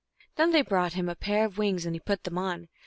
Then they brought him a pair of wings, and he put them on.